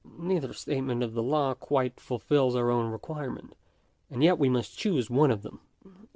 Neither statement of the law quite fulfils our requirement, and yet we must choose one of them.